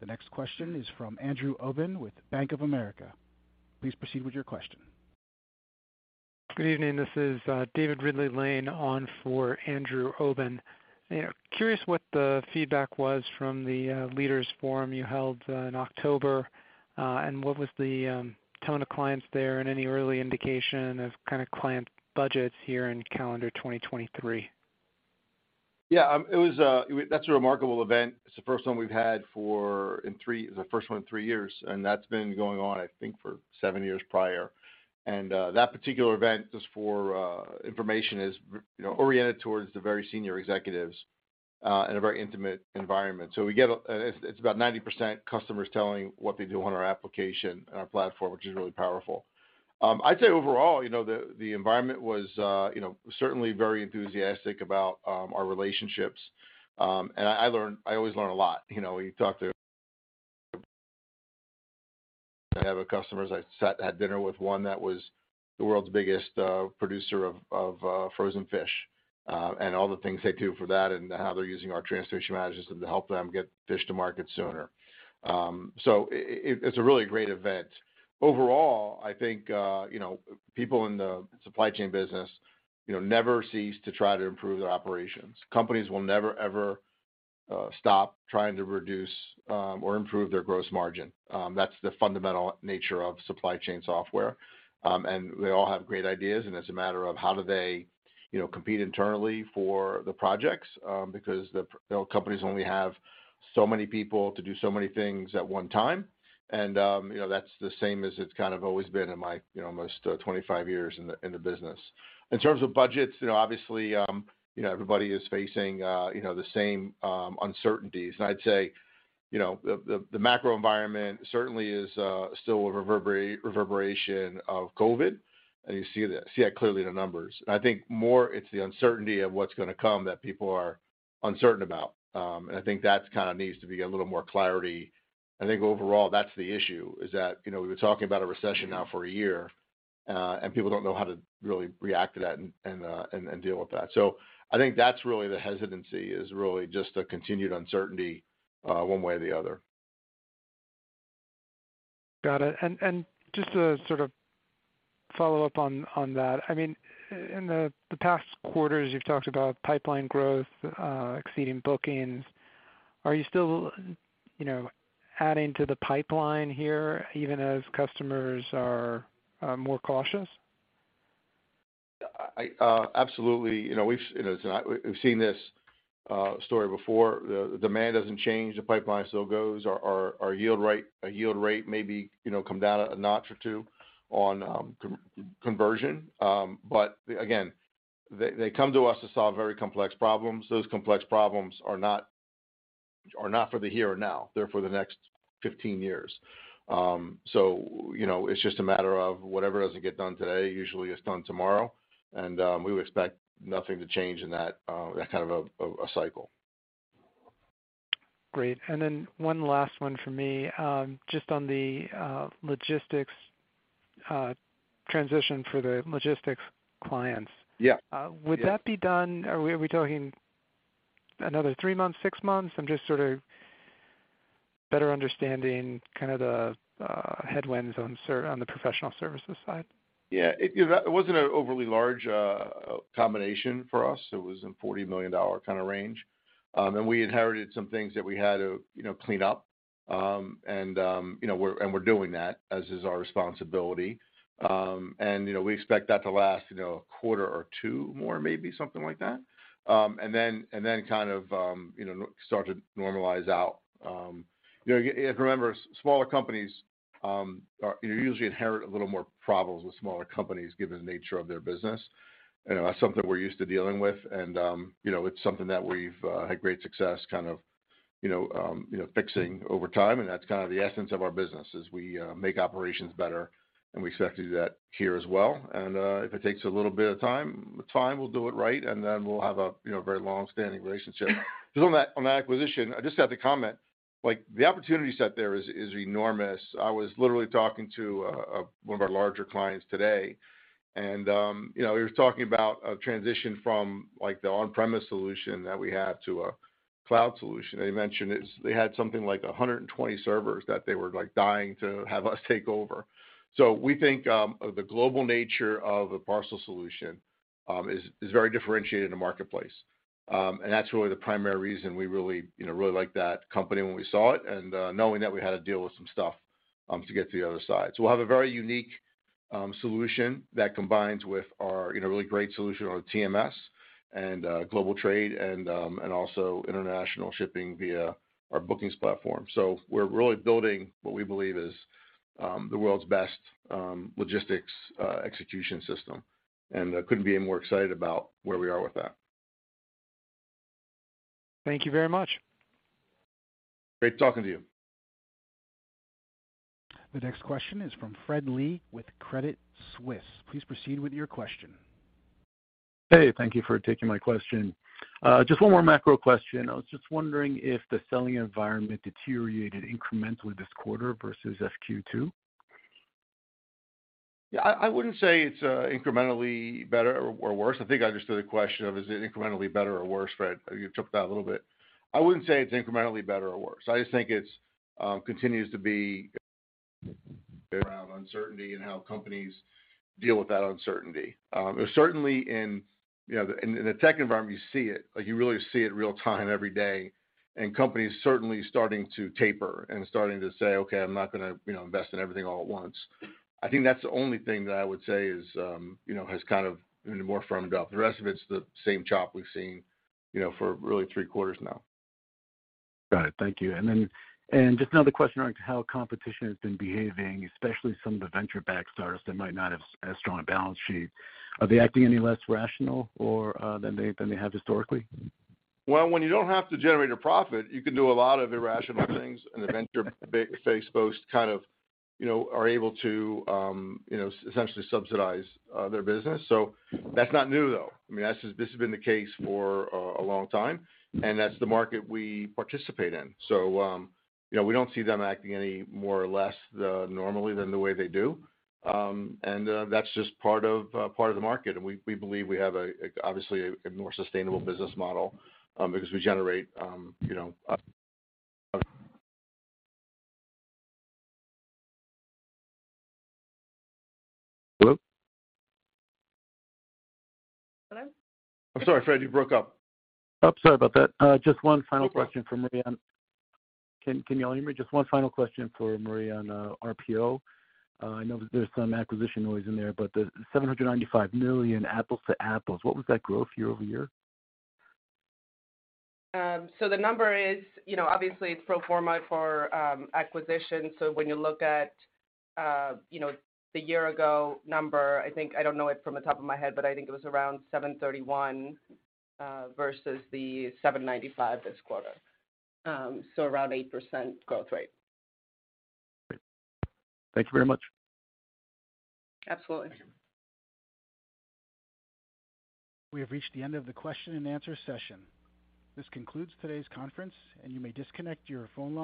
The next question is from Andrew Obin with Bank of America. Please proceed with your question. Good evening. This is David Ridley-Lane on for Andrew Obin. Curious what the feedback was from the leaders forum you held in October, and what was the tone of clients there, and any early indication of kind of client budgets here in calendar 2023. Yeah, it was, that's a remarkable event. It's the first one we've had for in 3 years, and that's been going on, I think, for 7 years prior. That particular event, just for information, is you know, oriented towards the very senior executives, in a very intimate environment. We get It's about 90% customers telling what they do on our application and our platform, which is really powerful. I'd say overall, you know, the environment was, you know, certainly very enthusiastic about our relationships. I learned, I always learn a lot. You know, you talk to I have customers, I sat, had dinner with one that was the world's biggest producer of frozen fish. All the things they do for that and how they're using our transportation management system to help them get fish to market sooner. It's a really great event. Overall, I think, you know, people in the supply chain business, you know, never cease to try to improve their operations. Companies will never, ever stop trying to reduce or improve their gross margin. That's the fundamental nature of supply chain software. They all have great ideas, and it's a matter of how do they, you know, compete internally for the projects because the, you know, companies only have so many people to do so many things at one time. You know, that's the same as it's kind of always been in my, you know, almost 25 years in the, in the business. In terms of budgets, you know, obviously, you know, everybody is facing, you know, the same, uncertainties. I'd say, you know, the, the macro environment certainly is, still a reverberation of COVID, and you see that clearly in the numbers. I think more it's the uncertainty of what's gonna come that people are uncertain about. I think that's kind of needs to be a little more clarity. I think overall that's the issue, is that, you know, we've been talking about a recession now for a year, and people don't know how to really react to that and deal with that. I think that's really the hesitancy, is really just a continued uncertainty, one way or the other. Got it. Just to sort of follow up on that, I mean, in the past quarters, you've talked about pipeline growth, exceeding bookings. Are you still, you know, adding to the pipeline here, even as customers are, more cautious? I absolutely. You know, we've seen this story before. The demand doesn't change, the pipeline still goes. Our yield rate maybe, you know, come down a notch or two on conversion. Again, they come to us to solve very complex problems. Those complex problems are not for the here or now, they're for the next 15 years. You know, it's just a matter of whatever doesn't get done today usually gets done tomorrow, and we would expect nothing to change in that kind of a cycle. Great. Then one last one for me. Just on the logistics transition for the logistics clients. Yeah. Are we talking another three months, six months? I'm just sort of better understanding kind of the headwinds on the professional services side. Yeah. It, you know, it wasn't an overly large, combination for us. It was in $40 million kind of range. We inherited some things that we had to, you know, clean up. You know, we're doing that, as is our responsibility. You know, we expect that to last, you know, a quarter or two more maybe, something like that. kind of, you know, start to normalize out. You know, if you remember, smaller companies, you usually inherit a little more problems with smaller companies given the nature of their business. That's something we're used to dealing with, and, you know, it's something that we've had great success kind of, you know, fixing over time, and that's kind of the essence of our business, is we make operations better, and we expect to do that here as well. If it takes a little bit of time, with time we'll do it right, and then we'll have a, you know, very long-standing relationship. Just on that, on that acquisition, I just have to comment. Like the opportunity set there is enormous. I was literally talking to one of our larger clients today, and, you know, he was talking about a transition from like the on-premise solution that we had to a cloud solution. They had something like 120 servers that they were like dying to have us take over. We think the global nature of the parcel solution is very differentiated in the marketplace. That's really the primary reason we really, you know, really liked that company when we saw it and knowing that we had to deal with some stuff to get to the other side. We'll have a very unique solution that combines with our, you know, really great solution on our TMS and Global Trade and also international shipping via our bookings platform. We're really building what we believe is the world's best logistics execution system. I couldn't be any more excited about where we are with that. Thank you very much. Great talking to you. The next question is from Fred Lee with Credit Suisse. Please proceed with your question. Hey, thank you for taking my question. just one more macro question. I was just wondering if the selling environment deteriorated incrementally this quarter versus FQ2. Yeah, I wouldn't say it's incrementally better or worse. I think I understood the question of is it incrementally better or worse, Fred. You took that a little bit. I wouldn't say it's incrementally better or worse. I just think it's continues to be around uncertainty and how companies deal with that uncertainty. Certainly in, you know, in the tech environment, you see it. Like you really see it real time every day. Companies certainly starting to taper and starting to say, "Okay, I'm not gonna, you know, invest in everything all at once." I think that's the only thing that I would say is, you know, has kind of been more firmed up. The rest of it's the same chop we've seen, you know, for really three quarters now. Got it. Thank you. Just another question around how competition has been behaving, especially some of the venture-backed startups that might not have as strong a balance sheet. Are they acting any less rational than they have historically? When you don't have to generate a profit, you can do a lot of irrational things. The venture-backed space both kind of, you know, are able to, you know, essentially subsidize their business, that's not new, though. I mean, this has been the case for a long time, and that's the market we participate in. You know, we don't see them acting any more or less normally than the way they do. That's just part of part of the market. We believe we have a obviously a more sustainable business model, because we generate, you know... Hello? Hello? I'm sorry, Fred, you broke up. Sorry about that. Just one final question for Marje. Can y'all hear me? Just one final question for Marje on RPO. I know that there's some acquisition noise in there, but the $795 million apples to apples, what was that growth year-over-year? The number is, you know, obviously it's pro forma for acquisition. When you look at, you know, the year ago number, I think, I don't know it from the top of my head, but I think it was around $731 versus the $795 this quarter. Around 8% growth rate. Great. Thank you very much. Absolutely. Thank you. We have reached the end of the question and answer session. This concludes today's conference. You may disconnect your phone line.